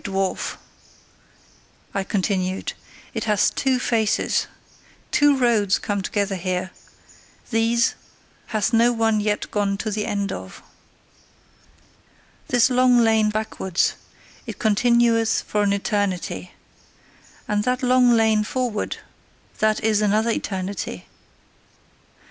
Dwarf!" I continued, "it hath two faces. Two roads come together here: these hath no one yet gone to the end of. This long lane backwards: it continueth for an eternity. And that long lane forward that is another eternity.